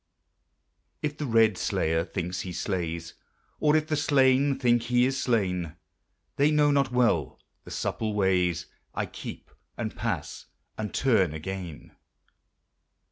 If the red slayer think he slays, Or if the slain think he is slain, They know not well the subtle ways I keep, and pass, and turn again.